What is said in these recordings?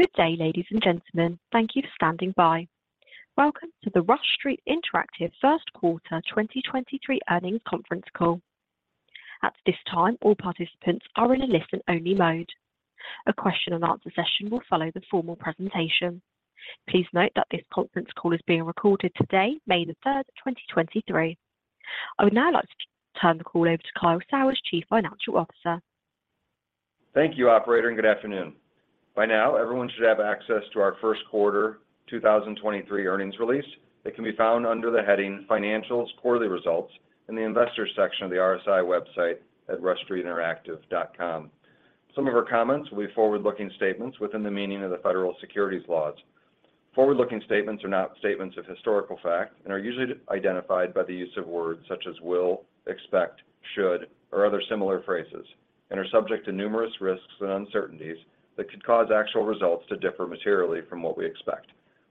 Good day, ladies and gentlemen. Thank you for standing by. Welcome to the Rush Street Interactive first quarter 2023 earnings conference call. At this time, all participants are in a listen-only mode. A question-and-answer session will follow the formal presentation. Please note that this conference call is being recorded today, May the 3rd, 2023. I would now like to turn the call over to Kyle Sauers, Chief Financial Officer. Thank you, operator, good afternoon. By now, everyone should have access to our first quarter 2023 earnings release that can be found under the heading Financials Quarterly Results in the Investors section of the RSI website at rushstreetinteractive.com. Some of our comments will be forward-looking statements within the meaning of the federal securities laws. Forward-looking statements are not statements of historical fact and are usually identified by the use of words such as will, expect, should, or other similar phrases, and are subject to numerous risks and uncertainties that could cause actual results to differ materially from what we expect.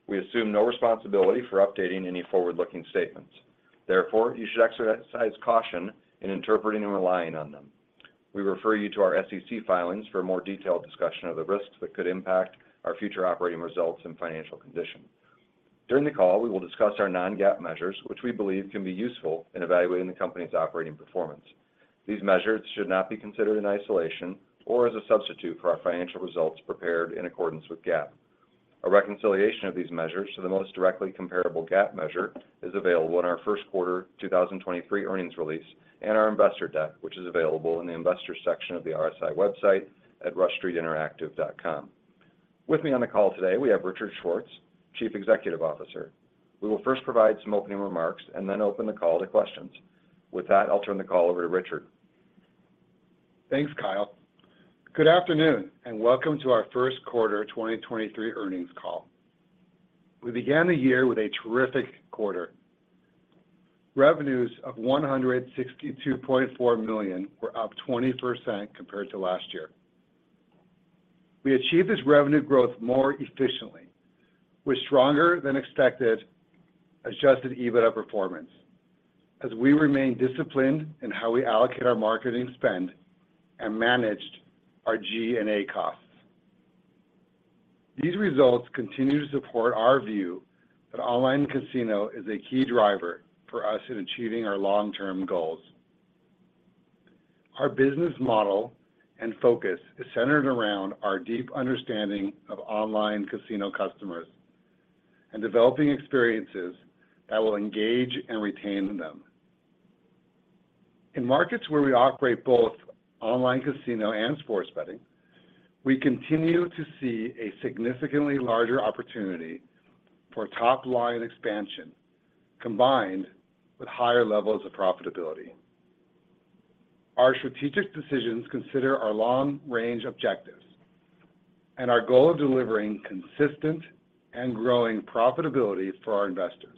We assume no responsibility for updating any forward-looking statements. Therefore, you should exercise caution in interpreting and relying on them. We refer you to our SEC filings for a more detailed discussion of the risks that could impact our future operating results and financial condition. During the call, we will discuss our non-GAAP measures, which we believe can be useful in evaluating the company's operating performance. These measures should not be considered in isolation or as a substitute for our financial results prepared in accordance with GAAP. A reconciliation of these measures to the most directly comparable GAAP measure is available in our first quarter 2023 earnings release and our investor deck, which is available in the Investors section of the RSI website at rushstreetinteractive.com. With me on the call today, we have Richard Schwartz, Chief Executive Officer. We will first provide some opening remarks and then open the call to questions. With that, I'll turn the call over to Richard. Thanks, Kyle. Good afternoon, welcome to our first quarter 2023 earnings call. We began the year with a terrific quarter. Revenues of $162.4 million were up 20% compared to last year. We achieved this revenue growth more efficiently with stronger-than-expected Adjusted EBITDA performance as we remain disciplined in how we allocate our marketing spend and managed our G&A costs. These results continue to support our view that online casino is a key driver for us in achieving our long-term goals. Our business model and focus is centered around our deep understanding of online casino customers and developing experiences that will engage and retain them. In markets where we operate both online casino and sports betting, we continue to see a significantly larger opportunity for top-line expansion combined with higher levels of profitability. Our strategic decisions consider our long-range objectives and our goal of delivering consistent and growing profitability for our investors.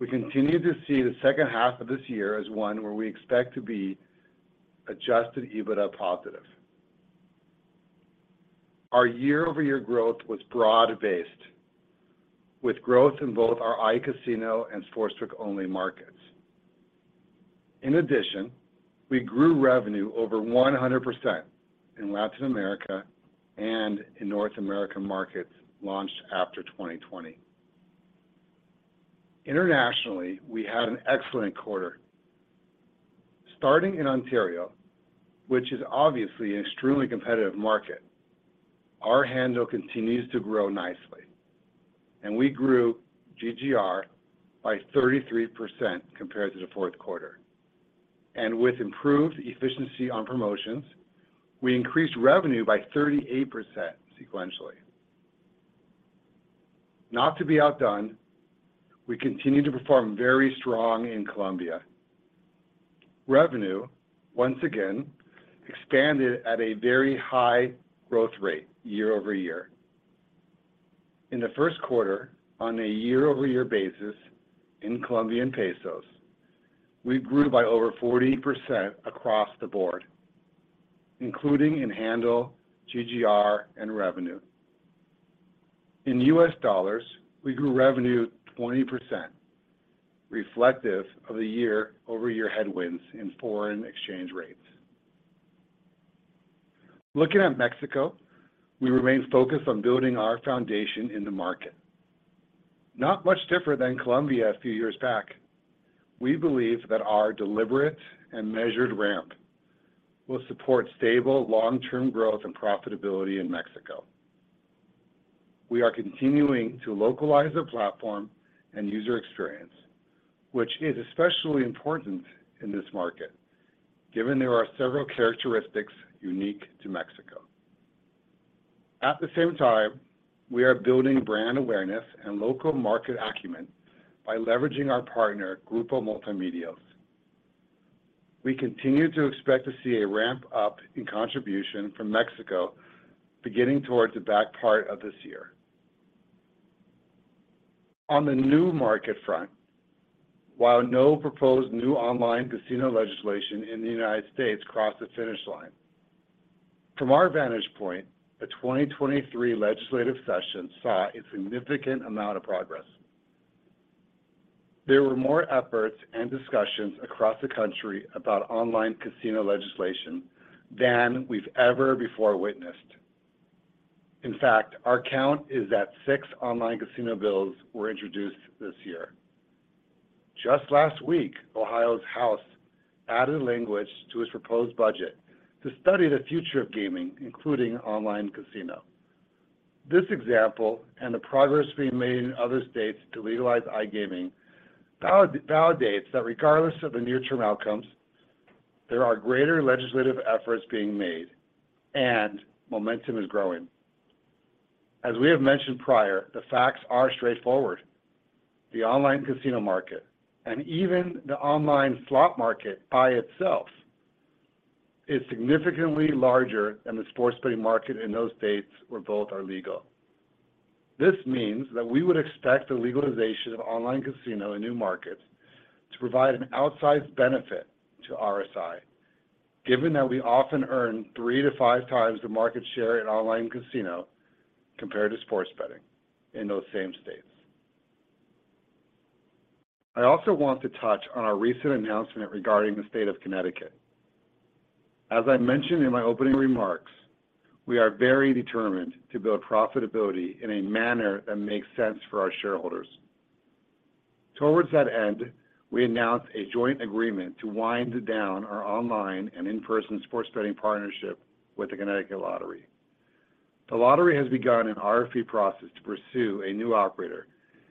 We continue to see the second half of this year as one where we expect to be Adjusted EBITDA positive. Our year-over-year growth was broad-based, with growth in both our iCasino and sportsbook-only markets. We grew revenue over 100% in Latin America and in North American markets launched after 2020. Internationally, we had an excellent quarter. Starting in Ontario, which is obviously an extremely competitive market, our handle continues to grow nicely, and we grew GGR by 33% compared to the fourth quarter. With improved efficiency on promotions, we increased revenue by 38% sequentially. Not to be outdone, we continue to perform very strong in Colombia. Revenue, once again, expanded at a very high growth rate year-over-year. In the first quarter, on a year-over-year basis in Colombian pesos, we grew by over 40% across the board, including in handle, GGR, and revenue. In U.S. dollars, we grew revenue 20%, reflective of the year-over-year headwinds in foreign exchange rates. Looking at Mexico, we remain focused on building our foundation in the market. Not much different than Colombia a few years back, we believe that our deliberate and measured ramp will support stable long-term growth and profitability in Mexico. We are continuing to localize the platform and user experience, which is especially important in this market, given there are several characteristics unique to Mexico. At the same time, we are building brand awareness and local market acumen by leveraging our partner, Grupo Multimedios. We continue to expect to see a ramp up in contribution from Mexico beginning towards the back part of this year. On the new market front, while no proposed new online casino legislation in the United States crossed the finish line, from our vantage point, the 2023 legislative session saw a significant amount of progress. There were more efforts and discussions across the country about online casino legislation than we've ever before witnessed. In fact, our count is that six online casino bills were introduced this year. Just last week, Ohio's House added language to its proposed budget to study the future of gaming, including online casino. This example and the progress being made in other states to legalize iGaming validates that regardless of the near-term outcomes, there are greater legislative efforts being made and momentum is growing. As we have mentioned prior, the facts are straightforward. The online casino market and even the online slot market by itself is significantly larger than the sports betting market in those states where both are legal. This means that we would expect the legalization of online casino in new markets to provide an outsized benefit to RSI, given that we often earn three to five times the market share in online casino compared to sports betting in those same states. I also want to touch on our recent announcement regarding the state of Connecticut. As I mentioned in my opening remarks, we are very determined to build profitability in a manner that makes sense for our shareholders. Towards that end, we announced a joint agreement to wind down our online and in-person sports betting partnership with the Connecticut Lottery. The lottery has begun an RFP process to pursue a new operator,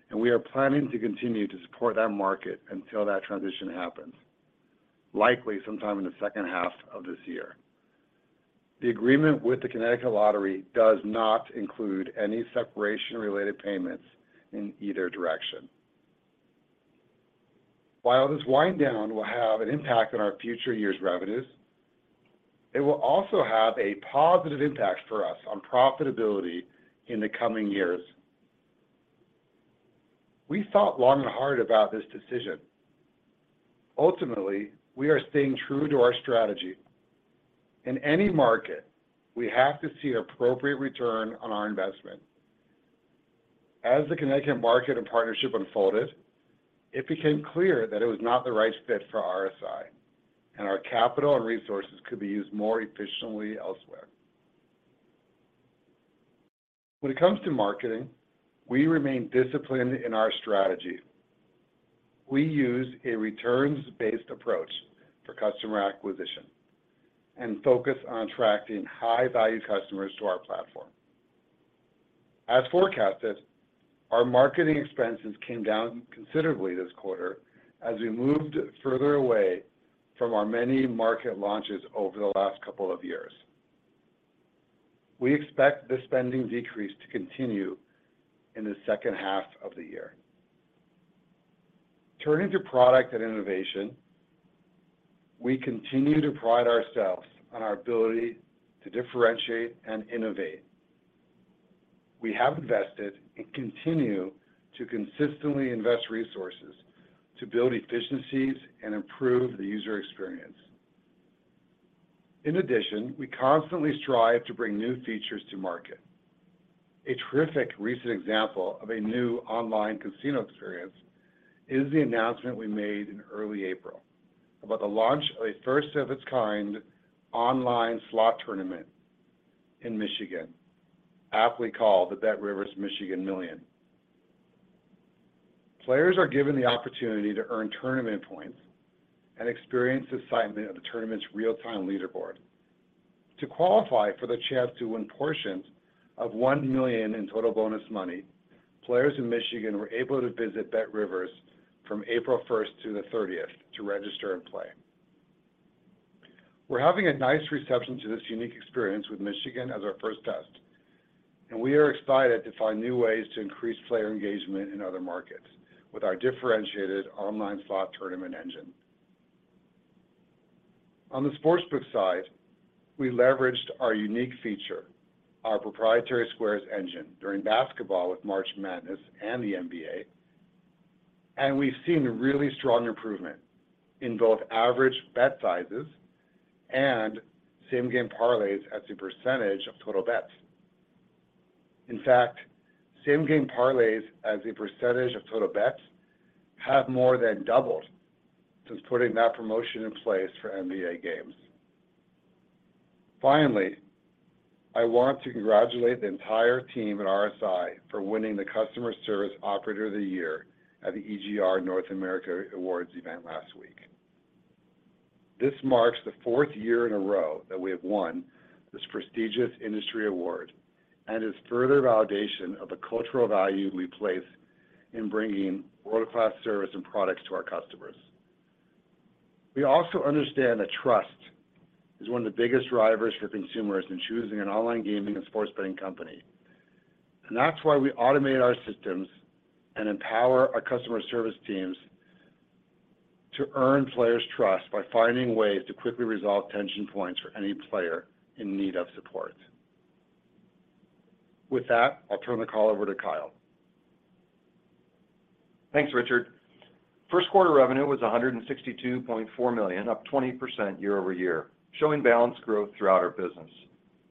and we are planning to continue to support that market until that transition happens, likely sometime in the second half of this year. The agreement with the Connecticut Lottery does not include any separation-related payments in either direction. While this wind down will have an impact on our future year's revenues, it will also have a positive impact for us on profitability in the coming years. We thought long and hard about this decision. Ultimately, we are staying true to our strategy. In any market, we have to see appropriate return on our investment. As the Connecticut market and partnership unfolded, it became clear that it was not the right fit for RSI, and our capital and resources could be used more efficiently elsewhere. When it comes to marketing, we remain disciplined in our strategy. We use a returns-based approach for customer acquisition and focus on attracting high-value customers to our platform. As forecasted, our marketing expenses came down considerably this quarter as we moved further away from our many market launches over the last couple of years. We expect the spending decrease to continue in the second half of the year. Turning to product and innovation, we continue to pride ourselves on our ability to differentiate and innovate. We have invested and continue to consistently invest resources to build efficiencies and improve the user experience. In addition, we constantly strive to bring new features to market. A terrific recent example of a new online casino experience is the announcement we made in early April about the launch of a first-of-its-kind online slot tournament in Michigan, aptly called the BetRivers Michigan Million. Players are given the opportunity to earn tournament points and experience the excitement of the tournament's real-time leaderboard. To qualify for the chance to win portions of $1 million in total bonus money, players in Michigan were able to visit BetRivers from April 1st through the 30th to register and play. We're having a nice reception to this unique experience with Michigan as our first test. We are excited to find new ways to increase player engagement in other markets with our differentiated online slot tournament engine. On the sportsbook side, we leveraged our unique feature, our proprietary Squares engine, during basketball with March Madness and the NBA. We've seen a really strong improvement in both average bet sizes and same-game parlays as a percentage of total bets. In fact, same-game parlays as a percentage of total bets have more than doubled since putting that promotion in place for NBA games. I want to congratulate the entire team at RSI for winning the Customer Service Operator of the Year at the EGR North America Awards event last week. This marks the fourth year in a row that we have won this prestigious industry award and is further validation of the cultural value we place in bringing world-class service and products to our customers. We also understand that trust is one of the biggest drivers for consumers in choosing an online gaming and sports betting company, that's why we automate our systems and empower our customer service teams to earn players' trust by finding ways to quickly resolve tension points for any player in need of support. With that, I'll turn the call over to Kyle. Thanks, Richard. First quarter revenue was $162.4 million, up 20% year-over-year, showing balanced growth throughout our business.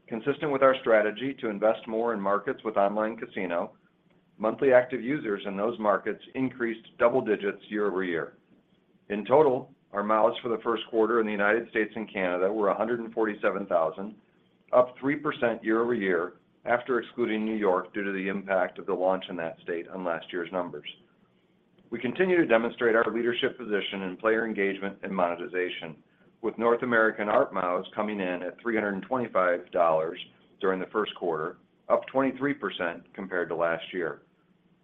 Consistent with our strategy to invest more in markets with iCasino, monthly active users in those markets increased double digits year-over-year. In total, our MAUs for the first quarter in the U.S. and Canada were 147,000, up 3% year-over-year after excluding New York due to the impact of the launch in that state on last year's numbers. We continue to demonstrate our leadership position in player engagement and monetization with North American ARPMAUs coming in at $325 during the first quarter, up 23% compared to last year.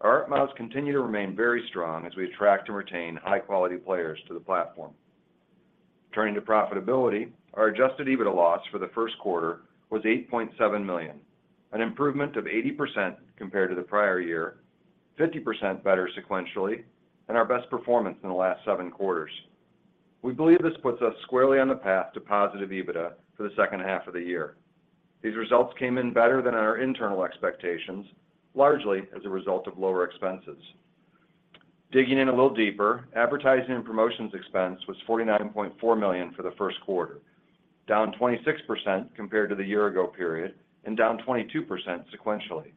Our ARPMAUs continue to remain very strong as we attract and retain high-quality players to the platform. Turning to profitability, our Adjusted EBITDA loss for the first quarter was $8.7 million, an improvement of 80% compared to the prior year, 50% better sequentially, and our best performance in the last seven quarters. We believe this puts us squarely on the path to positive EBITDA for the second half of the year. These results came in better than our internal expectations, largely as a result of lower expenses. Digging in a little deeper, advertising and promotions expense was $49.4 million for the first quarter, down 26% compared to the year ago period and down 22% sequentially.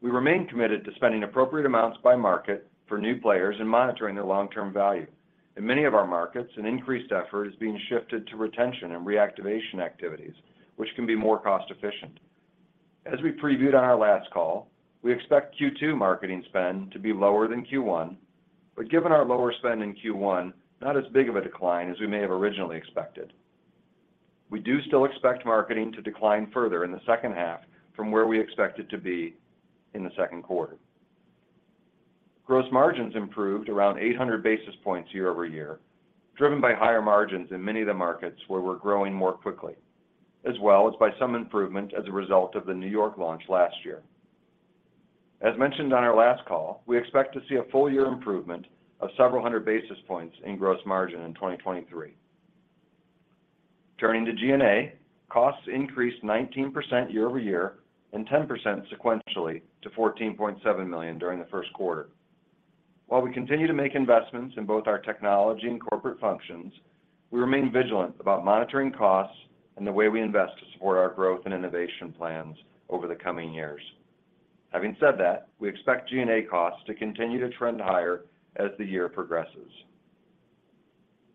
We remain committed to spending appropriate amounts by market for new players and monitoring their long-term value. In many of our markets, an increased effort is being shifted to retention and reactivation activities, which can be more cost-efficient. As we previewed on our last call, we expect Q2 marketing spend to be lower than Q1, but given our lower spend in Q1, not as big of a decline as we may have originally expected. We do still expect marketing to decline further in the second half from where we expect it to be in the second quarter. Gross margins improved around 800 basis points year-over-year, driven by higher margins in many of the markets where we're growing more quickly, as well as by some improvement as a result of the New York launch last year. As mentioned on our last call, we expect to see a full-year improvement of several hundred basis points in gross margin in 2023. Turning to G&A, costs increased 19% year-over-year and 10% sequentially to $14.7 million during the first quarter. While we continue to make investments in both our technology and corporate functions, we remain vigilant about monitoring costs and the way we invest to support our growth and innovation plans over the coming years. Having said that, we expect G&A costs to continue to trend higher as the year progresses.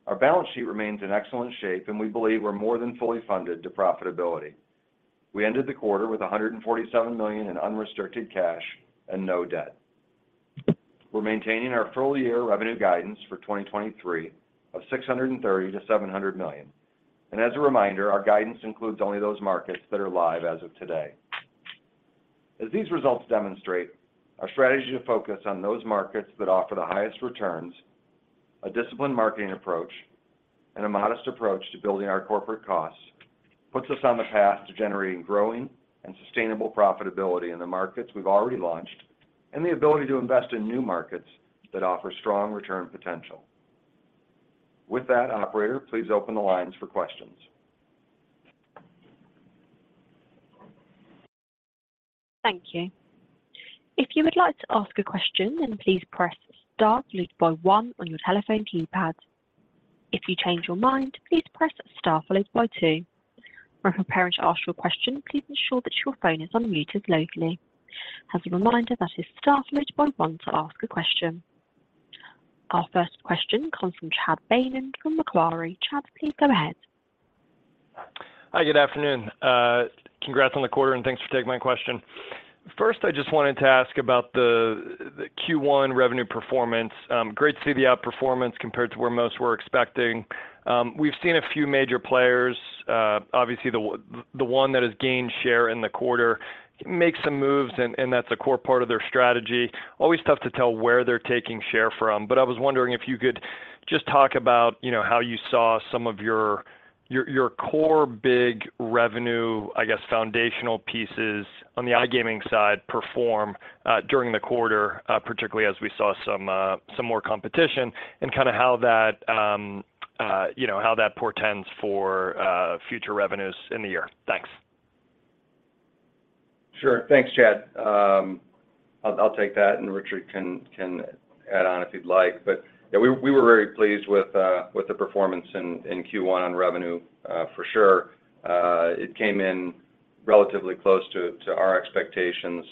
Our balance sheet remains in excellent shape, and we believe we're more than fully funded to profitability. We ended the quarter with $147 million in unrestricted cash and no debt. We're maintaining our full-year revenue guidance for 2023 of $630 million-$700 million. As a reminder, our guidance includes only those markets that are live as of today. As these results demonstrate, our strategy to focus on those markets that offer the highest returns, a disciplined marketing approach, and a modest approach to building our corporate costs puts us on the path to generating growing and sustainable profitability in the markets we've already launched and the ability to invest in new markets that offer strong return potential. With that, operator, please open the lines for questions. Thank you. If you would like to ask a question, then please press star followed by one on your telephone keypad. If you change your mind, please press star followed by two. When preparing to ask your question, please ensure that your phone is unmuted locally. As a reminder, that is star followed by one to ask a question. Our first question comes from Chad Beynon from Macquarie. Chad, please go ahead. Hi, good afternoon. Congrats on the quarter, and thanks for taking my question. First, I just wanted to ask about the Q1 revenue performance. Great to see the outperformance compared to where most were expecting. We've seen a few major players, obviously the one that has gained share in the quarter make some moves and that's a core part of their strategy. Always tough to tell where they're taking share from. I was wondering if you could just talk about, you know, how you saw some of your core big revenue, I guess, foundational pieces on the iGaming side perform during the quarter, particularly as we saw some more competition and kind of how that, you know, how that portends for future revenues in the year. Thanks. Sure. Thanks, Chad. I'll take that, Richard can add on if he'd like. Yeah, we were very pleased with the performance in Q1 on revenue for sure. It came in relatively close to our expectations.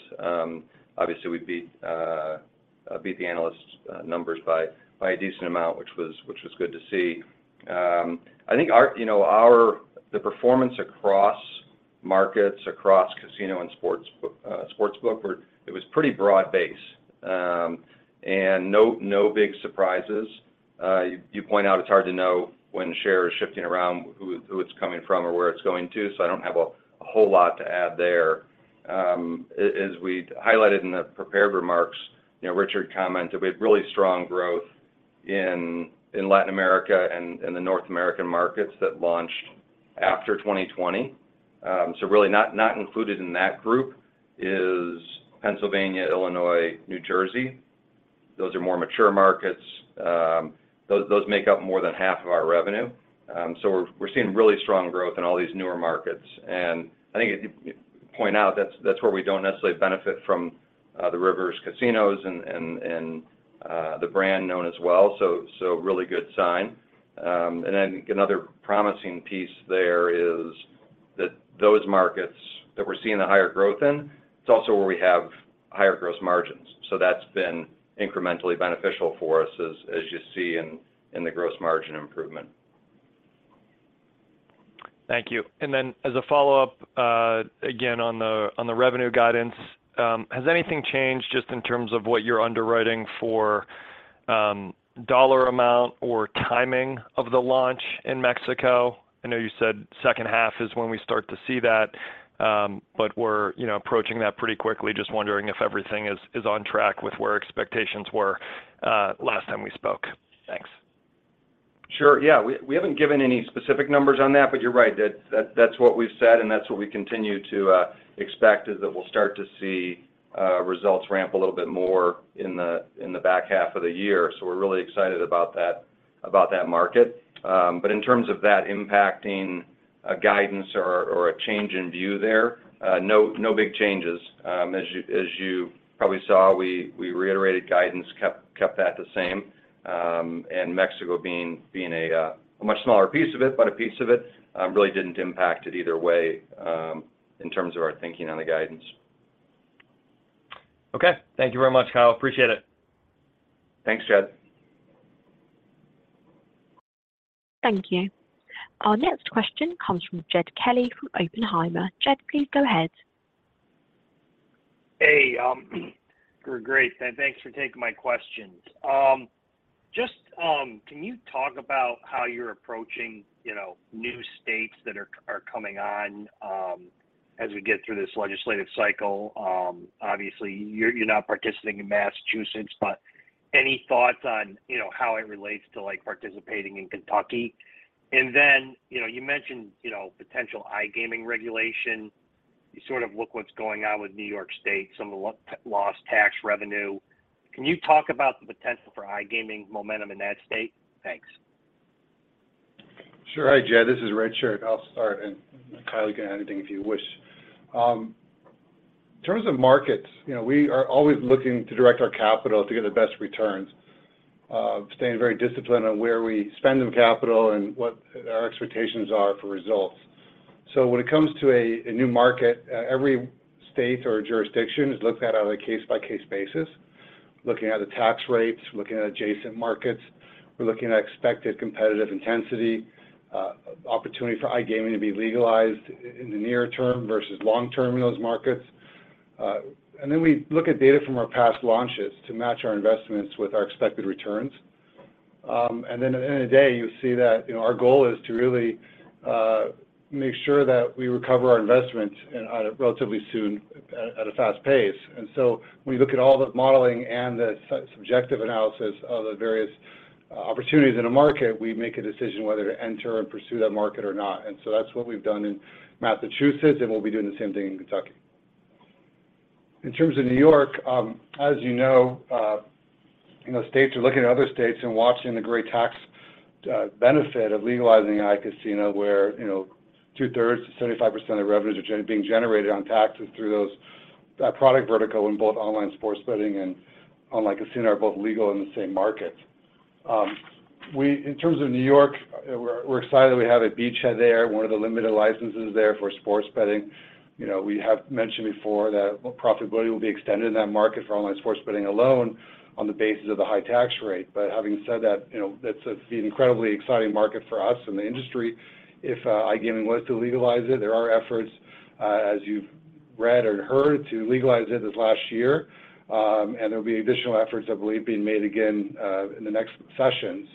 Obviously, we beat the analysts' numbers by a decent amount, which was good to see. I think our, you know, the performance across markets, across casino and sportsbook, it was pretty broad-based. No big surprises. You point out it's hard to know when share is shifting around, who it's coming from or where it's going to, so I don't have a whole lot to add there. As we highlighted in the prepared remarks, you know, Richard commented we had really strong growth in Latin America and in the North American markets that launched after 2020. Really not included in that group is Pennsylvania, Illinois, New Jersey. Those are more mature markets. Those make up more than half of our revenue. We're seeing really strong growth in all these newer markets. I think it point out that's where we don't necessarily benefit from the Rivers casinos and the brand known as well, so really good sign. Another promising piece there is that those markets that we're seeing the higher growth in, it's also where we have higher growth margins. That's been incrementally beneficial for us as you see in the gross margin improvement. Thank you. Then as a follow-up, again, on the revenue guidance, has anything changed just in terms of what you're underwriting for, dollar amount or timing of the launch in Mexico? I know you said second half is when we start to see that, but we're, you know, approaching that pretty quickly. Just wondering if everything is on track with where expectations were last time we spoke. Thanks. Sure, yeah. We haven't given any specific numbers on that, but you're right. That's what we've said and that's what we continue to expect is that we'll start to see results ramp a little bit more in the back half of the year. We're really excited about that market. But in terms of that impacting a guidance or a change in view there, no big changes. As you probably saw, we reiterated guidance, kept that the same. Mexico being a much smaller piece of it, but a piece of it, really didn't impact it either way, in terms of our thinking on the guidance. Okay. Thank you very much, Kyle. Appreciate it. Thanks, Chad. Thank you. Our next question comes from Jed Kelly from Oppenheimer. Jed, please go ahead. Hey, great. Thanks for taking my questions. Just, can you talk about how you're approaching, you know, new states that are coming on, as we get through this legislative cycle? Obviously, you're not participating in Massachusetts, but any thoughts on, you know, how it relates to, like, participating in Kentucky? Then, you know, you mentioned, you know, potential iGaming regulation. You sort of look what's going on with New York State, some of the lost tax revenue. Can you talk about the potential for iGaming momentum in that state? Thanks. Sure. Hi, Jed, this is Richard. I'll start and Kyle, you can add anything if you wish. In terms of markets, you know, we are always looking to direct our capital to get the best returns, staying very disciplined on where we spend the capital and what our expectations are for results. When it comes to a new market, every state or jurisdiction is looked at on a case-by-case basis, looking at the tax rates, looking at adjacent markets. We're looking at expected competitive intensity, opportunity for iGaming to be legalized in the near term versus long term in those markets. Then we look at data from our past launches to match our investments with our expected returns. At the end of the day, you'll see that, you know, our goal is to really make sure that we recover our investment relatively soon at a fast pace. We look at all the modeling and the subjective analysis of the various opportunities in a market. We make a decision whether to enter and pursue that market or not. That's what we've done in Massachusetts, and we'll be doing the same thing in Kentucky. In terms of New York, as you know, you know, states are looking at other states and watching the great tax benefit of legalizing iCasino, where, you know, 2/3 to 75% of revenues are being generated on taxes through those product vertical in both online sports betting and online casino are both legal in the same market. In terms of New York, we're excited that we have a beachhead there, one of the limited licenses there for sports betting. You know, we have mentioned before that profitability will be extended in that market for online sports betting alone on the basis of the high tax rate. Having said that, you know, that's an incredibly exciting market for us and the industry if iGaming was to legalize it. There are efforts, as you've read or heard, to legalize it this last year. There'll be additional efforts, I believe, being made again, in the next session.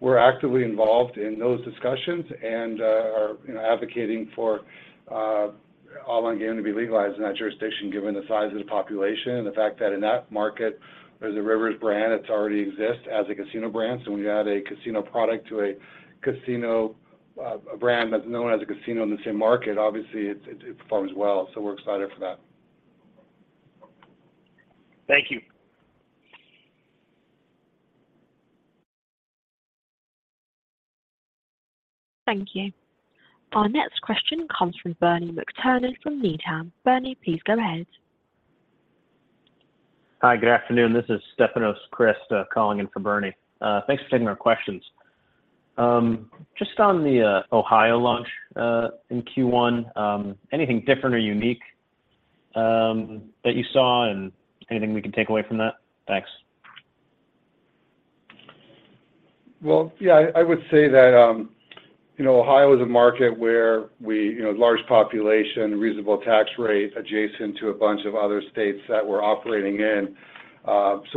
We're actively involved in those discussions and, you know, are advocating for online gaming to be legalized in that jurisdiction, given the size of the population and the fact that in that market, there's a Rivers brand that's already exist as a casino brand. When you add a casino product to a casino, a brand that's known as a casino in the same market, obviously it performs well. We're excited for that. Thank you. Thank you. Our next question comes from Bernie McTernan from Needham. Bernie, please go ahead. Hi, good afternoon. This is Stefanos Crist calling in for Bernie. Thanks for taking our questions. Just on the Ohio launch in Q1, anything different or unique that you saw? Anything we can take away from that? Thanks. Well, yeah, I would say that, you know, Ohio is a market where we, you know, large population, reasonable tax rate adjacent to a bunch of other states that we're operating in.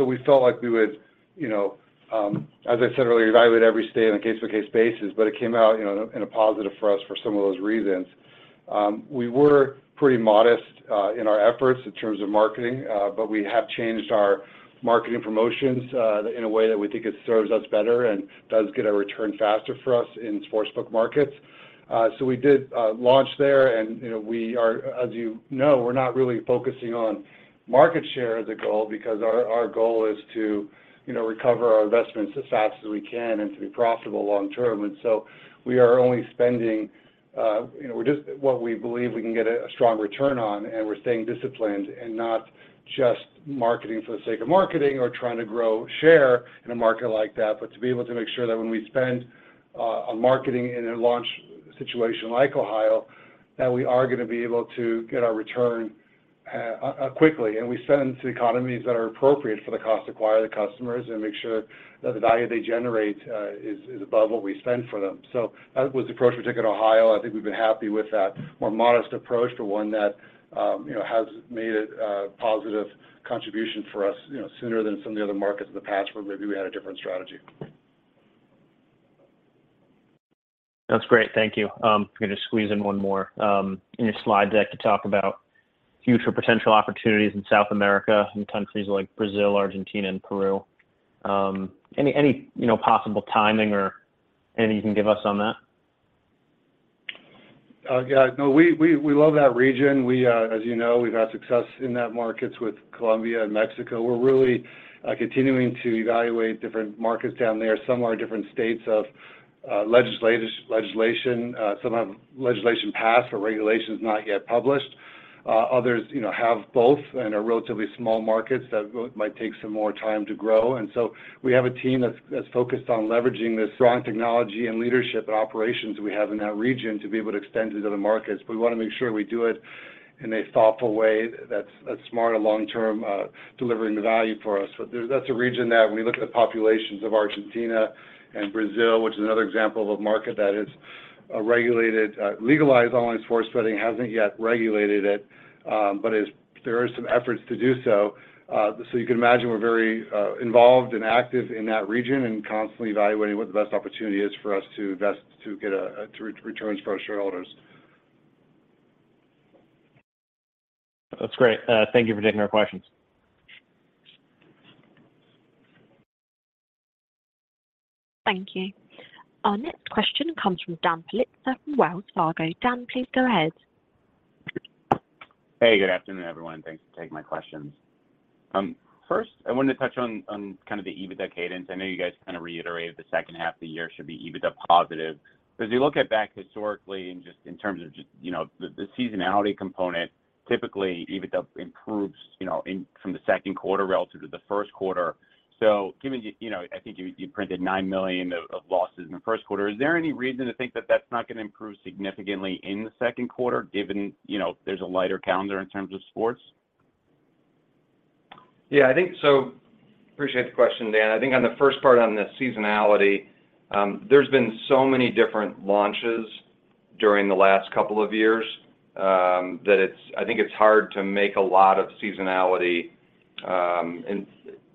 We felt like we would, you know, as I said earlier, evaluate every state on a case-by-case basis, but it came out, you know, in a positive for us for some of those reasons. We were pretty modest in our efforts in terms of marketing, but we have changed our marketing promotions in a way that we think it serves us better and does get a return faster for us in sportsbook markets. We did launch there and, you know, we are, as you know, we're not really focusing on market share as a goal because our goal is to, you know, recover our investments as fast as we can and to be profitable long term. We are only spending, you know, just what we believe we can get a strong return on, and we're staying disciplined and not just marketing for the sake of marketing or trying to grow share in a market like that. To be able to make sure that when we spend on marketing in a launch situation like Ohio. That we are going to be able to get our return quickly. We send to economies that are appropriate for the cost to acquire the customers and make sure that the value they generate is above what we spend for them. That was the approach we took in Ohio. I think we've been happy with that more modest approach to one that, you know, has made a positive contribution for us, you know, sooner than some of the other markets in the past where maybe we had a different strategy. That's great. Thank you. I'm gonna squeeze in one more. In your slide deck, you talk about future potential opportunities in South America, in countries like Brazil, Argentina, and Peru. Any, you know possible timing or anything you can give us on that? Yeah, no, we love that region. We, as you know, we've had success in that markets with Colombia and Mexico. We're really continuing to evaluate different markets down there. Some are different states of legislation, some have legislation passed or regulations not yet published. Others, you know, have both and are relatively small markets that might take some more time to grow. We have a team that's focused on leveraging the strong technology and leadership and operations we have in that region to be able to extend to other markets. We wanna make sure we do it in a thoughtful way that's smart and long-term, delivering the value for us. That's a region that when you look at the populations of Argentina and Brazil, which is another example of a market that has regulated, legalized online sports betting, hasn't yet regulated it, but there are some efforts to do so. So you can imagine we're very involved and active in that region and constantly evaluating what the best opportunity is for us to invest to get to re-returns for our shareholders. That's great. Thank you for taking our questions. Thank you. Our next question comes from Daniel Politzer from Wells Fargo. Dan, please go ahead. Hey, good afternoon, everyone. Thanks for taking my questions. First, I wanted to touch on kind of the EBITDA cadence. I know you guys kind of reiterated the second half of the year should be EBITDA positive. As you look at back historically and just in terms of, you know, the seasonality component, typically, EBITDA improves, you know, from the second quarter relative to the first quarter. Given, you know, I think you printed $9 million of losses in the first quarter, is there any reason to think that that's not gonna improve significantly in the second quarter given, you know, there's a lighter calendar in terms of sports? Yeah, I think so. Appreciate the question, Dan. I think on the first part on the seasonality, there's been so many different launches during the last couple of years, that I think it's hard to make a lot of seasonality, and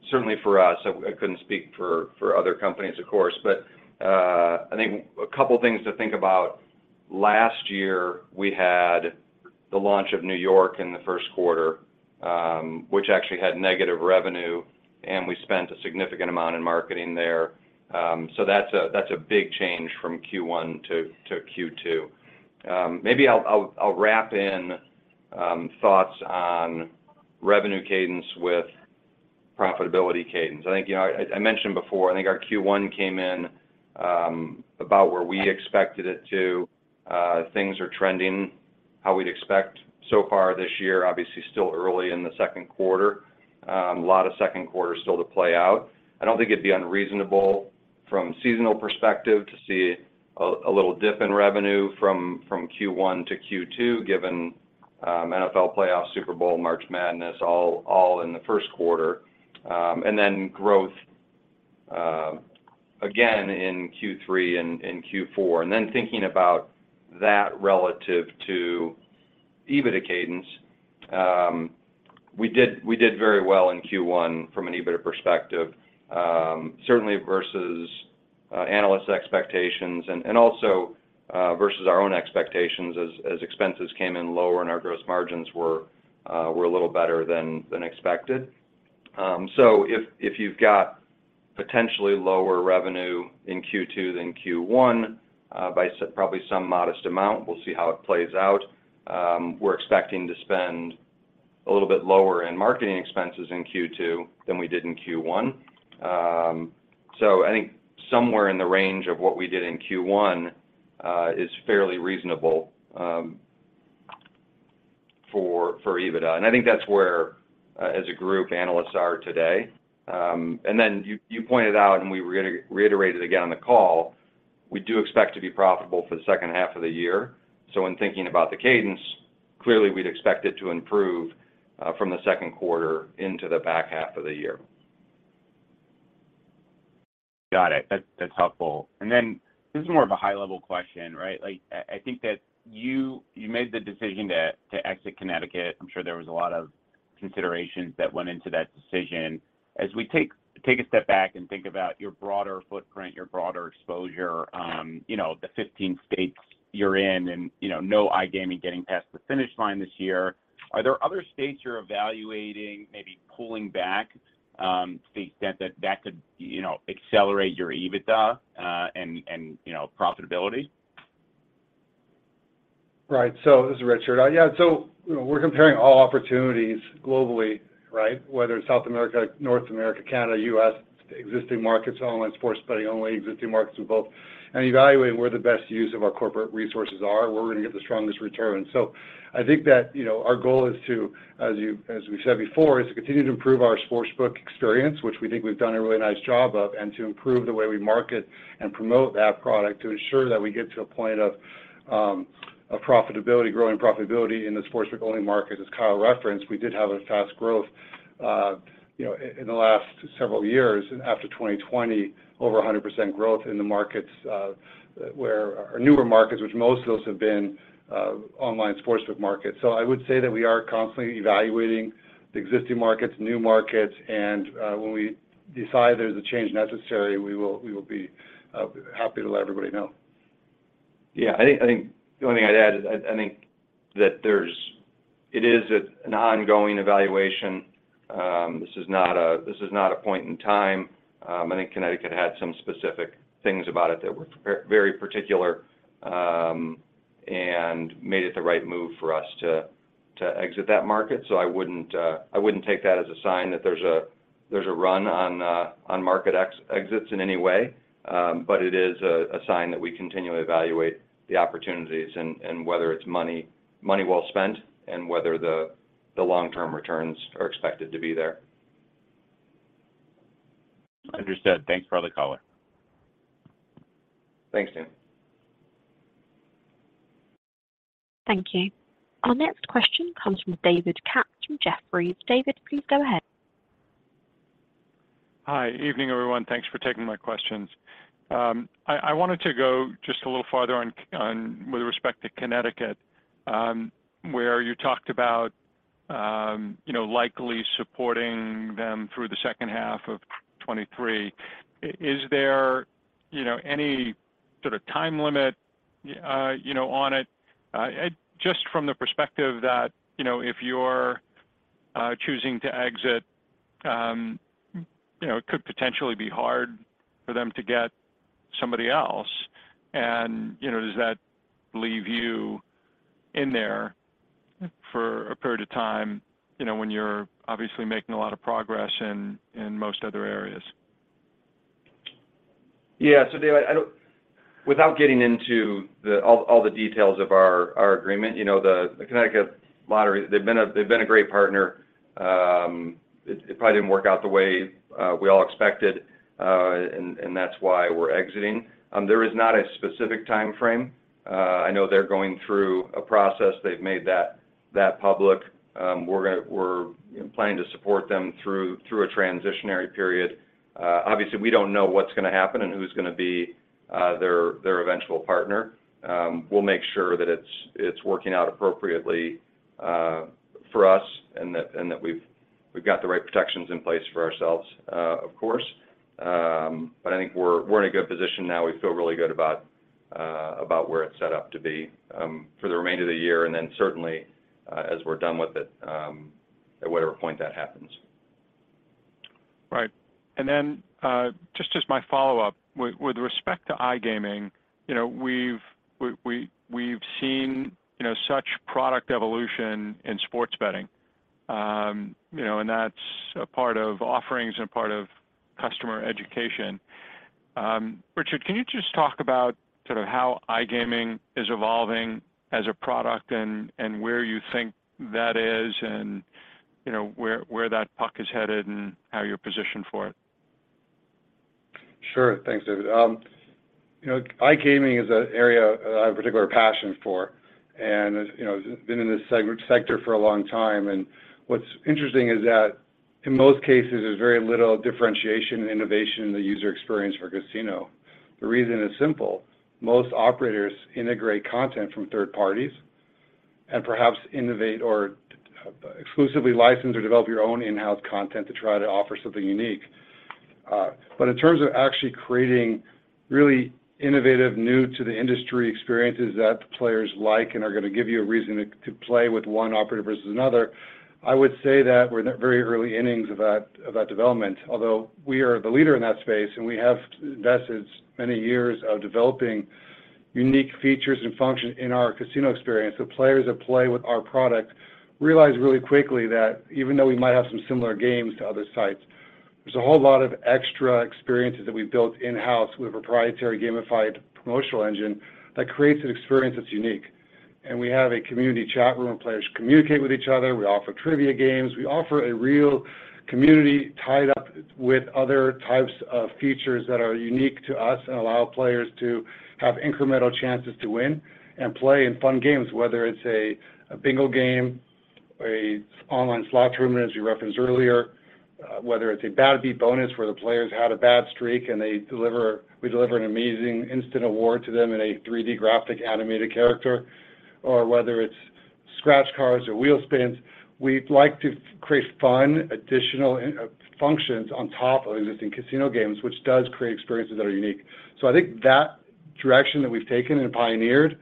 certainly for us, I couldn't speak for other companies, of course. I think a couple of things to think about. Last year, we had the launch of New York in the first quarter, which actually had negative revenue, and we spent a significant amount in marketing there. So that's a, that's a big change from Q1 to Q2. Maybe I'll wrap in thoughts on revenue cadence with profitability cadence. I think, you know, I mentioned before, I think our Q1 came in about where we expected it to. Things are trending how we'd expect so far this year, obviously still early in the second quarter. A lot of second quarter still to play out. I don't think it'd be unreasonable from seasonal perspective to see a little dip in revenue from Q1 to Q2, given NFL playoffs, Super Bowl, March Madness, all in the first quarter. Growth again in Q3 and in Q4. Thinking about that relative to EBITDA cadence, we did very well in Q1 from an EBITDA perspective, certainly versus analyst expectations and also versus our own expectations as expenses came in lower and our gross margins were a little better than expected. If, if you've got potentially lower revenue in Q2 than Q1, probably some modest amount, we'll see how it plays out. We're expecting to spend a little bit lower in marketing expenses in Q2 than we did in Q1. I think somewhere in the range of what we did in Q1, is fairly reasonable, for EBITDA. I think that's where, as a group, analysts are today. You, you pointed out and we were gonna reiterate it again on the call, we do expect to be profitable for the second half of the year. When thinking about the cadence, clearly we'd expect it to improve from the second quarter into the back half of the year. Got it. That's helpful. This is more of a high level question, right? I think that you made the decision to exit Connecticut. I'm sure there was a lot of considerations that went into that decision. As we take a step back and think about your broader footprint, your broader exposure, you know, the 15 states you're in and, you know, no iGaming getting past the finish line this year, are there other states you're evaluating, maybe pulling back, to the extent that that could, you know, accelerate your EBITDA and, you know, profitability? Right. This is Richard. Yeah, you know, we're comparing all opportunities globally, right? Whether it's South America, North America, Canada, U.S., existing markets, online sports betting only, existing markets with both, and evaluating where the best use of our corporate resources are, where we're gonna get the strongest return. So I think that, you know, our goal is to, as we said before, is to continue to improve our sportsbook experience, which we think we've done a really nice job of, and to improve the way we market and promote that product to ensure that we get to a point of profitability, growing profitability in the sportsbook-only market. As Kyle referenced, we did have a fast growth, you know, in the last several years after 2020, over 100% growth in the markets, where our newer markets, which most of those have been, online sportsbook markets. I would say that we are constantly evaluating the existing markets, new markets, and when we decide there's a change necessary, we will be happy to let everybody know. I think the only thing I'd add is I think that there's... it is an ongoing evaluation. This is not a point in time. I think Connecticut had some specific things about it that were very particular and made it the right move for us to exit that market. I wouldn't take that as a sign that there's a run on market exits in any way. It is a sign that we continually evaluate the opportunities and whether it's money well spent and whether the long-term returns are expected to be there. Understood. Thanks for the color. Thanks, Dan. Thank you. Our next question comes from David Katz from Jefferies. David, please go ahead. Hi. Evening, everyone. Thanks for taking my questions. I wanted to go just a little farther on with respect to Connecticut, where you talked about, you know, likely supporting them through the second half of 2023. Is there, you know, any sort of time limit, you know, on it? Just from the perspective that, you know, if you're choosing to exit, you know, it could potentially be hard for them to get somebody else and, you know, does that leave you in there for a period of time, you know, when you're obviously making a lot of progress in most other areas? Yeah. Without getting into all the details of our agreement, you know, the Connecticut Lottery, they've been a great partner. It probably didn't work out the way we all expected, and that's why we're exiting. There is not a specific timeframe. I know they're going through a process. They've made that public. We're planning to support them through a transitionary period. Obviously, we don't know what's gonna happen and who's gonna be their eventual partner. We'll make sure that it's working out appropriately for us and that we've got the right protections in place for ourselves, of course. I think we're in a good position now. We feel really good about about where it's set up to be for the remainder of the year and then certainly as we're done with it at whatever point that happens. Right. Just as my follow-up, with respect to iGaming, you know, we've seen, you know, such product evolution in sports betting. You know, that's a part of offerings and part of customer education. Richard, can you just talk about sort of how iGaming is evolving as a product and where you think that is and you know, where that puck is headed and how you're positioned for it? Sure. Thanks, David. You know, iGaming is an area I have a particular passion for and, you know, been in this sector for a long time. What's interesting is that in most cases, there's very little differentiation and innovation in the user experience for casino. The reason is simple: Most operators integrate content from third parties and perhaps innovate or exclusively license or develop your own in-house content to try to offer something unique. But in terms of actually creating really innovative, new to the industry experiences that players like and are gonna give you a reason to play with one operator versus another, I would say that we're in the very early innings of that, of that development. Although we are the leader in that space, and we have invested many years of developing unique features and functions in our casino experience. The players that play with our product realize really quickly that even though we might have some similar games to other sites, there's a whole lot of extra experiences that we've built in-house with a proprietary gamified promotional engine that creates an experience that's unique. We have a community chat room, players communicate with each other. We offer trivia games. We offer a real community tied up with other types of features that are unique to us and allow players to have incremental chances to win and play in fun games, whether it's a bingo game, a online slot tournament, as you referenced earlier, whether it's a bad beat bonus, where the players had a bad streak, we deliver an amazing instant award to them in a 3D graphic animated character, or whether it's scratch cards or wheel spins. We'd like to create fun, additional, functions on top of existing casino games, which does create experiences that are unique. I think that direction that we've taken and pioneered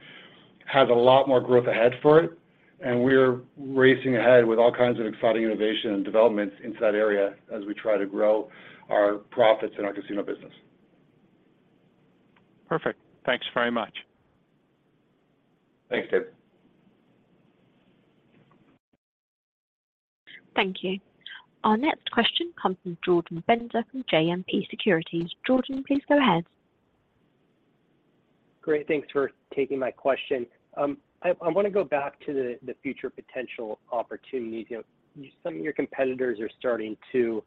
has a lot more growth ahead for it, and we're racing ahead with all kinds of exciting innovation and developments in that area as we try to grow our profits in our casino business. Perfect. Thanks very much. Thanks, David. Thank you. Our next question comes from Jordan Bender from JMP Securities. Jordan, please go ahead. Great. Thanks for taking my question. I wanna go back to the future potential opportunities. You know, some of your competitors are starting to,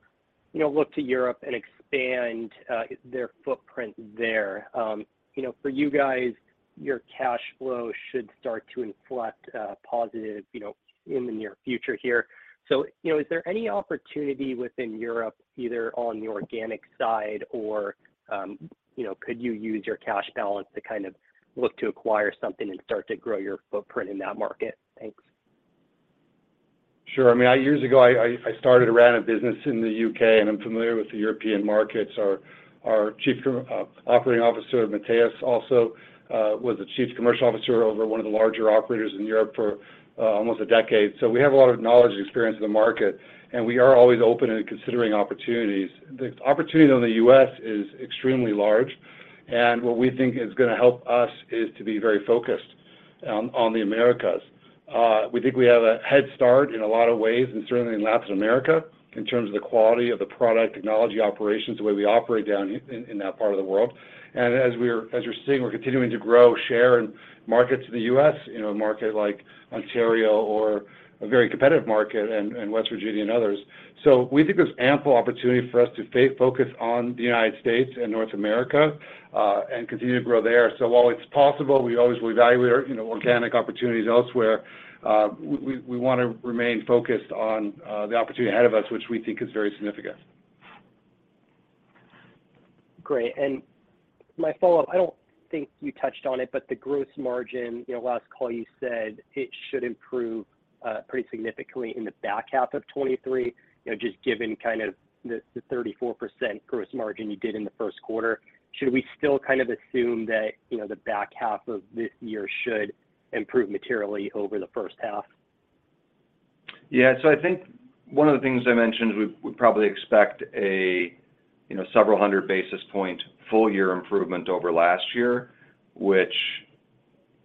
you know, look to Europe and expand their footprint there. You know, for you guys, your cash flow should start to inflect positive, you know, in the near future here. Is there any opportunity within Europe, either on the organic side or, you know, could you use your cash balance to kind of look to acquire something and start to grow your footprint in that market? Thanks. Sure. I mean, years ago, I started to run a business in the U.K., and I'm familiar with the European markets. Our Chief Operating Officer, Mattias, also was the chief commercial officer over one of the larger operators in Europe for almost a decade. We have a lot of knowledge and experience in the market, and we are always open and considering opportunities. The opportunity in the U.S. is extremely large, and what we think is gonna help us is to be very focused on the Americas. We think we have a head start in a lot of ways, and certainly in Latin America, in terms of the quality of the product, technology, operations, the way we operate down in that part of the world. As you're seeing, we're continuing to grow, share, and market to the U.S., you know, a market like Ontario or a very competitive market in West Virginia and others. We think there's ample opportunity for us to focus on the United States and North America and continue to grow there. While it's possible, we always will evaluate our, you know, organic opportunities elsewhere, we wanna remain focused on the opportunity ahead of us, which we think is very significant. Great. My follow-up, I don't think you touched on it, but the gross margin, you know, last call you said it should improve pretty significantly in the back half of 2023, you know, just given kind of the 34% gross margin you did in the first quarter. Should we still kind of assume that, you know, the back half of this year should improve materially over the first half? I think one of the things I mentioned, we probably expect a, you know, several hundred basis point full year improvement over last year, which,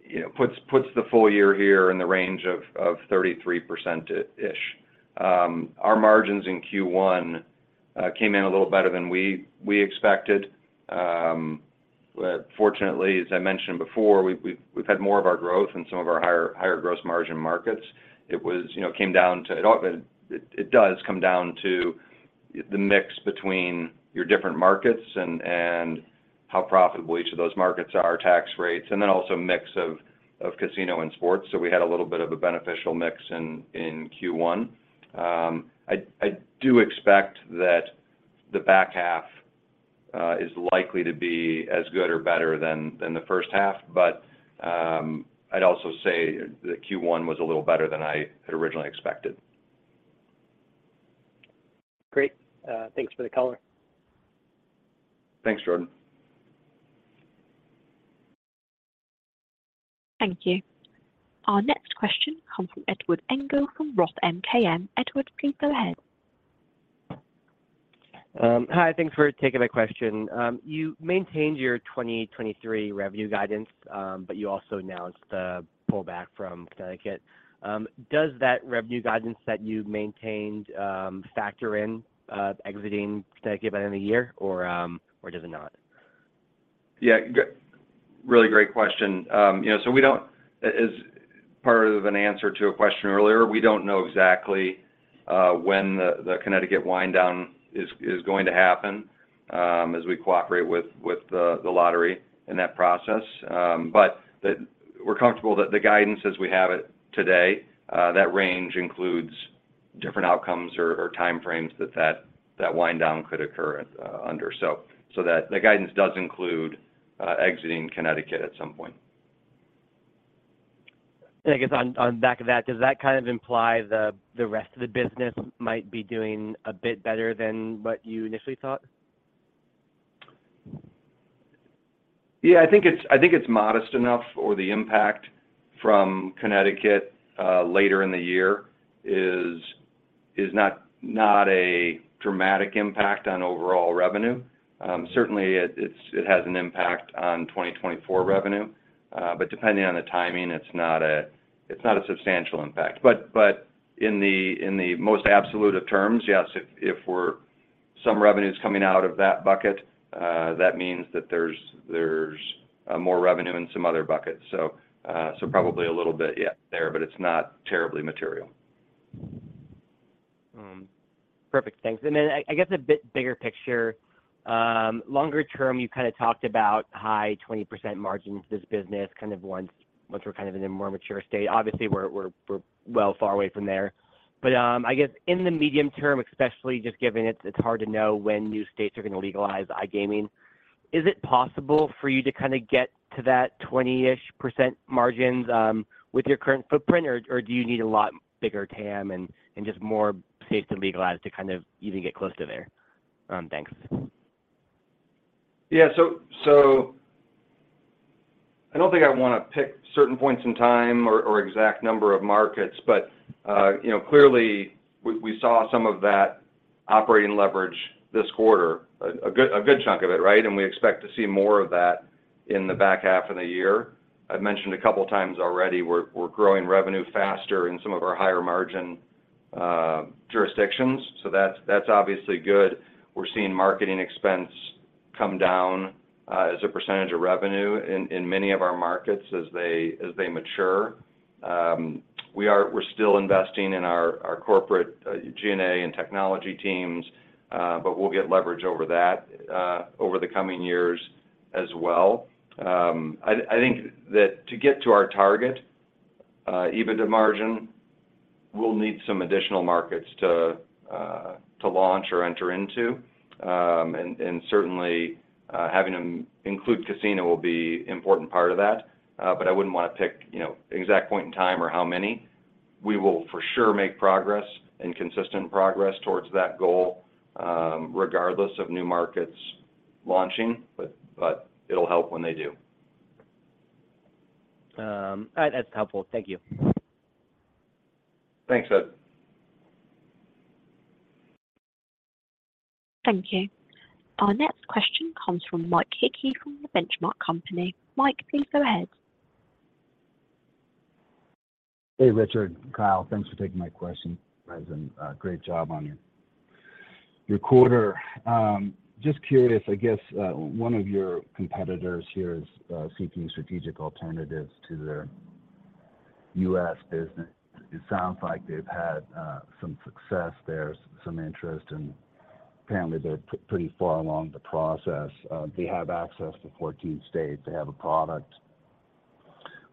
you know, puts the full year here in the range of 33%-ish. Our margins in Q1 came in a little better than we expected. Fortunately, as I mentioned before, we've had more of our growth in some of our higher gross margin markets. You know, it does come down to the mix between your different markets and how profitable each of those markets are, tax rates, and then also mix of casino and sports. We had a little bit of a beneficial mix in Q1. I do expect that the back half is likely to be as good or better than the first half. I'd also say the Q1 was a little better than I had originally expected. Great. Thanks for the color. Thanks, Jordan. Thank you. Our next question comes from Edward Engel from ROTH MKM. Edward, please go ahead. Hi. Thanks for taking my question. You maintained your 2023 revenue guidance. You also announced the pullback from Connecticut. Does that revenue guidance that you maintained factor in exiting Connecticut by the end of the year or does it not? Yeah. Really great question. you know, we don't know exactly when the Connecticut wind down is going to happen, as we cooperate with the lottery in that process. We're comfortable that the guidance as we have it today, that range includes different outcomes or time frames that wind down could occur under. The guidance does include exiting Connecticut at some point. I guess on back of that, does that kind of imply the rest of the business might be doing a bit better than what you initially thought? Yeah. I think it's, I think it's modest enough or the impact from Connecticut later in the year is not a dramatic impact on overall revenue. Certainly it has an impact on 2024 revenue, but depending on the timing it's not a substantial impact. In the most absolute of terms, yes, if some revenue's coming out of that bucket, that means that there's more revenue in some other buckets. Probably a little bit, yeah, there, but it's not terribly material. Perfect. Thanks. I guess a bit bigger picture, longer term, you kinda talked about high 20% margins this business kind of once we're kind of in a more mature state. Obviously, we're well far away from there. I guess in the medium term, especially just given it's hard to know when new states are gonna legalize iGaming, is it possible for you to kinda get to that 20-ish% margins with your current footprint, or do you need a lot bigger TAM and just more states to legalize to kind of even get close to there? Thanks. Yeah. I don't think I wanna pick certain points in time or exact number of markets. You know, clearly we saw some of that. Operating leverage this quarter, a good chunk of it, right? We expect to see more of that in the back half of the year. I've mentioned a couple of times already we're growing revenue faster in some of our higher margin jurisdictions. That's obviously good. We're seeing marketing expense come down as a percentage of revenue in many of our markets as they mature. We're still investing in our corporate G&A and technology teams, but we'll get leverage over that over the coming years as well. I think that to get to our target EBITDA margin, we'll need some additional markets to launch or enter into. Certainly, having them include casino will be important part of that. I wouldn't wanna pick, you know, exact point in time or how many. We will for sure make progress and consistent progress towards that goal, regardless of new markets launching, but it'll help when they do. All right. That's helpful. Thank you. Thanks, Ed. Thank you. Our next question comes from Mike Hickey from The Benchmark Company. Mike, please go ahead. Hey, Richard, Kyle. Thanks for taking my question. Guys, great job on your quarter. Just curious, I guess, one of your competitors here is seeking strategic alternatives to their U.S. business. It sounds like they've had some success there, some interest, and apparently they're pretty far along the process. They have access to 14 states. They have a product.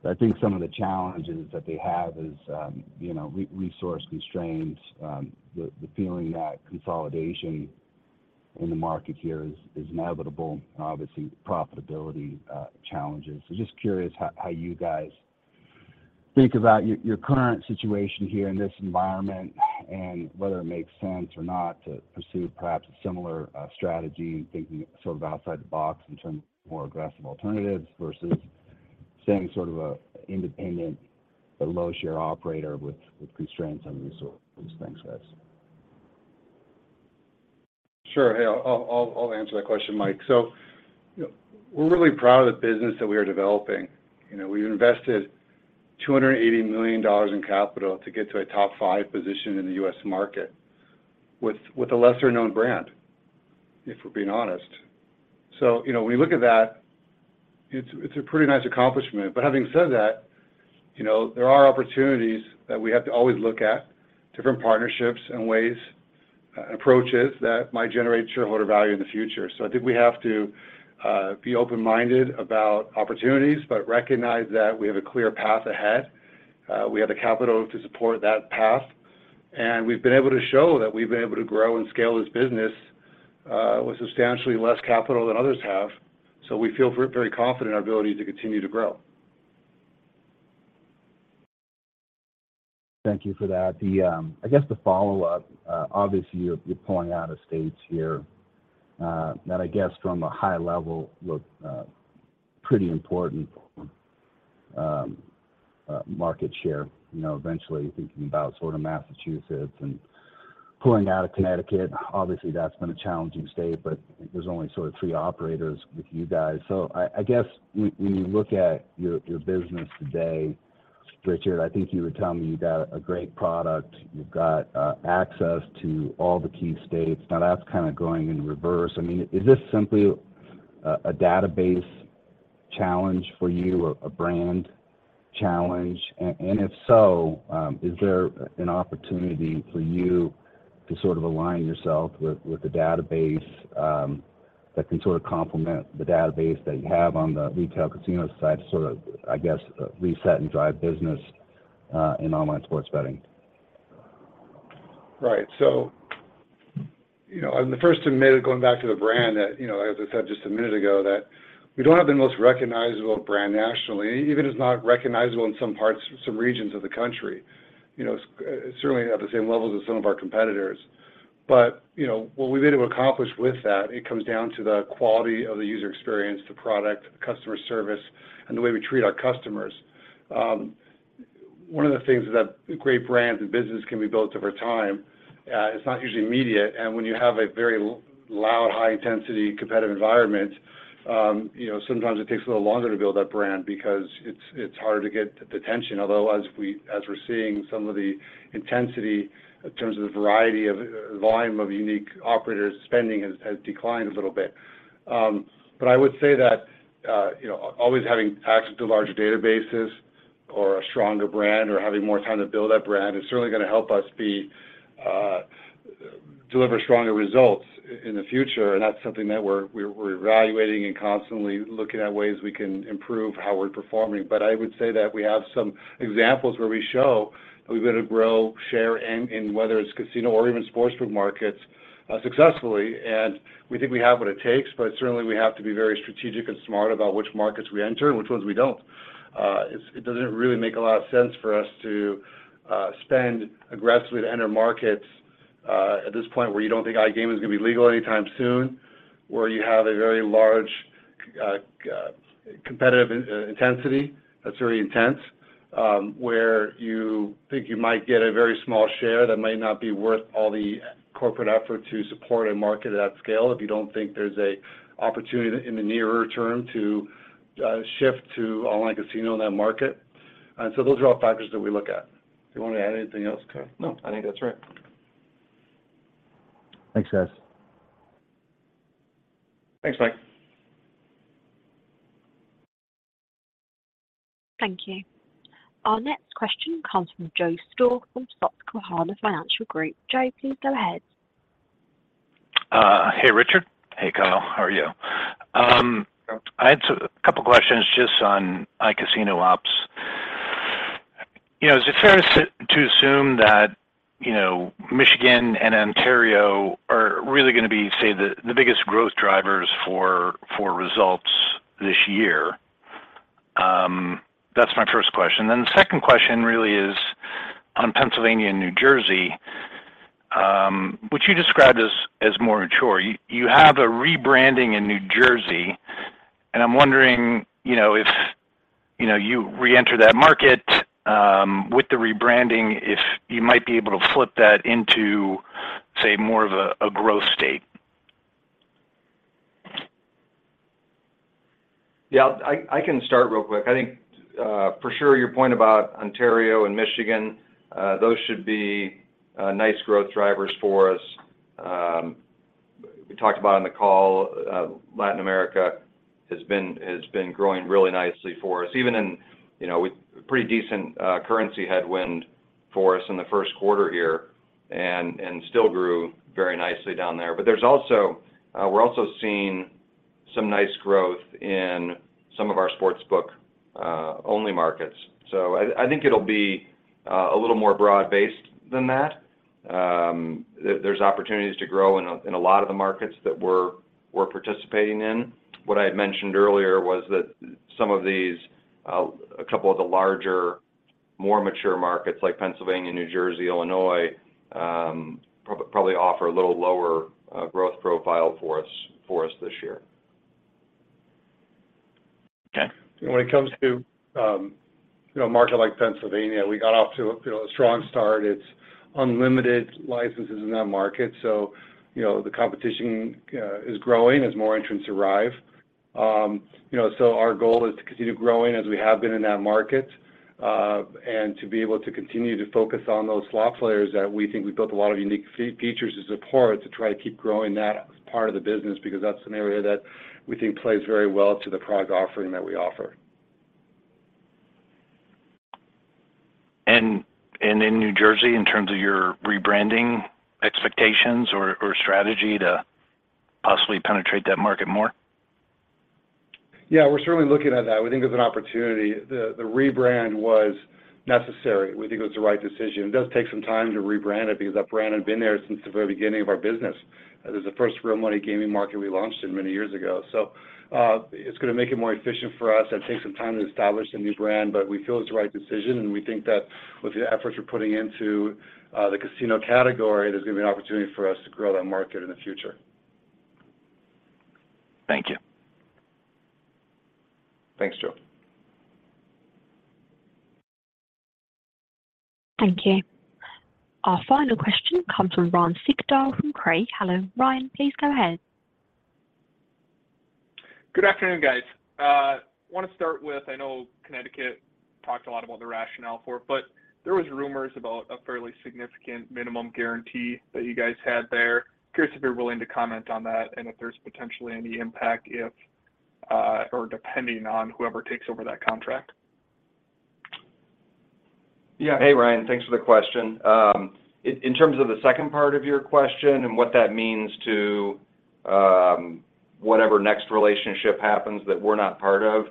I think some of the challenges that they have is, you know, resource constraints, the feeling that consolidation in the market here is inevitable, obviously profitability challenges. Just curious how you guys think about your current situation here in this environment and whether it makes sense or not to pursue perhaps a similar strategy, thinking sort of outside the box in terms of more aggressive alternatives versus staying sort of a independent but low-share operator with constraints on resources. Thanks, guys. Sure. Hey, I'll answer that question, Mike Hickey. You know, we're really proud of the business that we are developing. You know, we've invested $280 million in capital to get to a top five position in the U.S. market with a lesser-known brand, if we're being honest. You know, when you look at that, it's a pretty nice accomplishment. Having said that, you know, there are opportunities that we have to always look at, different partnerships and ways, approaches that might generate shareholder value in the future. I think we have to be open-minded about opportunities, but recognize that we have a clear path ahead. We have the capital to support that path, and we've been able to show that we've been able to grow and scale this business with substantially less capital than others have. We feel very confident in our ability to continue to grow. Thank you for that. The, I guess the follow-up, obviously you're pulling out of states here, that I guess from a high-level look, pretty important market share, you know, eventually thinking about sort of Massachusetts and pulling out of Connecticut. Obviously, that's been a challenging state, but there's only sort of three operators with you guys. I guess when you look at your business today, Richard, I think you were telling me you've got a great product. You've got access to all the key states. Now that's kinda going in reverse. I mean, is this simply a database challenge for you, a brand challenge? If so, is there an opportunity for you to sort of align yourself with the database, that can sort of complement the database that you have on the retail casino side to sort of, I guess, reset and drive business in online sports betting? Right. You know, and the first to admit it, going back to the brand that, you know, as I said just a minute ago, that we don't have the most recognizable brand nationally. Even it's not recognizable in some parts, some regions of the country. You know, it's certainly not the same level as some of our competitors. You know, what we've been able to accomplish with that, it comes down to the quality of the user experience, the product, customer service, and the way we treat our customers. One of the things is that great brands and business can be built over time. It's not usually immediate. When you have a very loud, high intensity, competitive environment, you know, sometimes it takes a little longer to build that brand because it's harder to get the attention. Although as we're seeing some of the intensity in terms of the volume of unique operators spending has declined a little bit. I would say that, you know, always having access to larger databases or a stronger brand or having more time to build that brand is certainly gonna help us be, deliver stronger results in the future. That's something that we're evaluating and constantly looking at ways we can improve how we're performing. I would say that we have some examples where we show that we've been able to grow, share in whether it's casino or even sportsbook markets, successfully. We think we have what it takes, certainly we have to be very strategic and smart about which markets we enter and which ones we don't. It doesn't really make a lot of sense for us to spend aggressively to enter markets at this point where you don't think iGaming is gonna be legal anytime soon, where you have a very large competitive intensity that's very intense, where you think you might get a very small share that might not be worth all the corporate effort to support and market at scale if you don't think there's a opportunity in the nearer term to shift to online casino in that market. Those are all factors that we look at. Do you wanna add anything else, Kyle? No, I think that's right. Thanks, guys. Thanks, Mike. Thank you. Our next question comes from Joseph Stauff from Susquehanna Financial Group, LLLP. Joe, please go ahead. Hey, Richard. Hey, Kyle. How are you? I had a couple questions just on iCasino ops. You know, is it fair to assume that, you know, Michigan and Ontario are really gonna be, say, the biggest growth drivers for results this year? That's my first question. The second question really is on Pennsylvania and New Jersey, which you described as more mature. You have a rebranding in New Jersey, I'm wondering, you know, if, you know, you reenter that market with the rebranding if you might be able to flip that into, say, more of a growth state. Yeah, I can start real quick. I think, for sure your point about Ontario and Michigan, those should be nice growth drivers for us. We talked about on the call, Latin America has been growing really nicely for us even in, you know, with pretty decent currency headwind for us in the first quarter here and still grew very nicely down there. There's also, we're also seeing some nice growth in some of our sportsbook only markets. I think it'll be a little more broad-based than that. There's opportunities to grow in a lot of the markets that we're participating in. What I had mentioned earlier was that some of these, a couple of the larger, more mature markets like Pennsylvania, New Jersey, Illinois, probably offer a little lower growth profile for us this year. Okay. When it comes to, you know, a market like Pennsylvania, we got off to a, you know, a strong start. It's unlimited licenses in that market, so, you know, the competition is growing as more entrants arrive. You know, our goal is to continue growing as we have been in that market, and to be able to continue to focus on those slot players that we think we built a lot of unique features to support to try to keep growing that part of the business because that's an area that we think plays very well to the product offering that we offer. In New Jersey, in terms of your rebranding expectations or strategy to possibly penetrate that market more? Yeah, we're certainly looking at that. The rebrand was necessary. We think it was the right decision. It does take some time to rebrand it because that brand had been there since the very beginning of our business. It was the first real money gaming market we launched in many years ago. It's gonna make it more efficient for us. It takes some time to establish the new brand, but we feel it's the right decision, and we think that with the efforts we're putting into the casino category, there's gonna be an opportunity for us to grow that market in the future. Thank you. Thanks, Joe. Thank you. Our final question comes from Ryan Sigdahl from Craig-Hallum. Hello, Ryan, please go ahead. Good afternoon, guys. Wanna start with, I know Connecticut talked a lot about the rationale for it, but there was rumors about a fairly significant minimum guarantee that you guys had there. Curious if you're willing to comment on that and if there's potentially any impact if, or depending on whoever takes over that contract? Yeah. Hey, Ryan. Thanks for the question. In terms of the second part of your question and what that means to, whatever next relationship happens that we're not part of,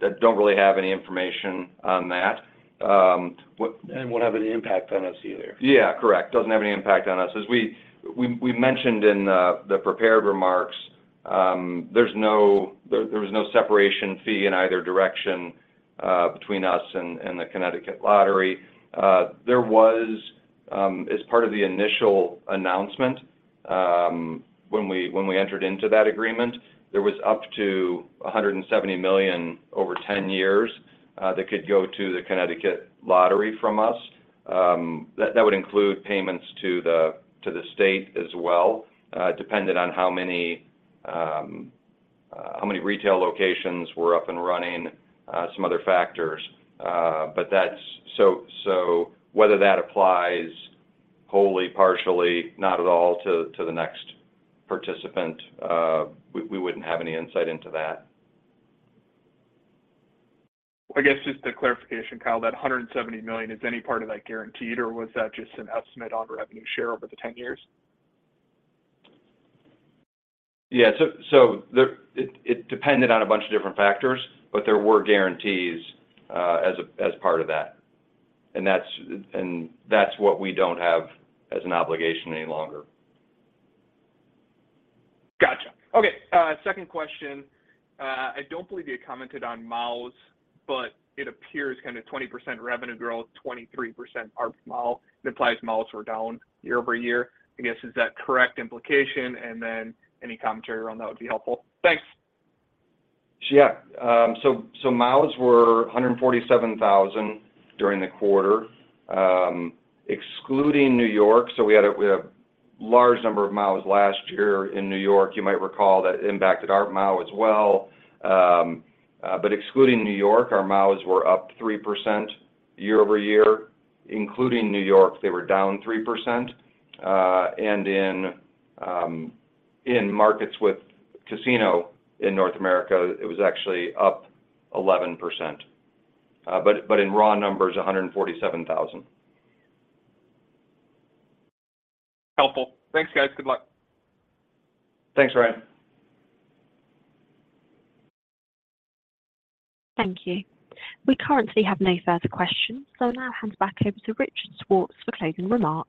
that don't really have any information on that. Won't have any impact on us either. Yeah, correct. Doesn't have any impact on us. As we mentioned in the prepared remarks, there was no separation fee in either direction, between us and the Connecticut Lottery. There was, as part of the initial announcement, when we entered into that agreement, there was up to $170 million over 10 years, that could go to the Connecticut Lottery from us. That would include payments to the state as well, dependent on how many retail locations were up and running, some other factors. That's. So whether that applies wholly, partially, not at all to the next participant, we wouldn't have any insight into that. I guess just a clarification, Kyle. That $170 million, is any part of that guaranteed, or was that just an estimate on revenue share over the 10 years? Yeah. It depended on a bunch of different factors, but there were guarantees as part of that, and that's what we don't have as an obligation any longer. Gotcha. Okay, second question. I don't believe you commented on MAUs, but it appears kind of 20% revenue growth, 23% ARPMAU, it implies MAUs were down year-over-year. I guess is that correct implication? Any commentary around that would be helpful. Thanks. Yeah. MAUs were 147,000 during the quarter, excluding New York. We had a large number of MAUs last year in New York. You might recall that impacted our MAU as well. Excluding New York, our MAUs were up 3% year-over-year. Including New York, they were down 3%. In markets with iCasino in North America, it was actually up 11%. In raw numbers, 147,000. Helpful. Thanks, guys. Good luck. Thanks, Ryan. Thank you. We currently have no further questions, so I'll now hand back over to Richard Schwartz for closing remarks.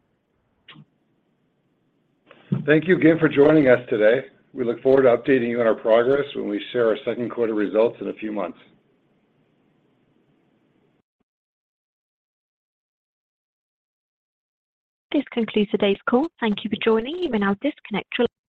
Thank you again for joining us today. We look forward to updating you on our progress when we share our second quarter results in a few months. This concludes today's call. Thank you for joining. You may now disconnect your line.